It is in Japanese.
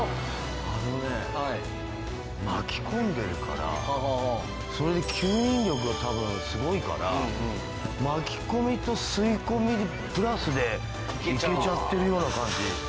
あのね巻き込んでるからそれで吸引力が多分すごいから巻き込みと吸い込みプラスでいけちゃってるような感じ。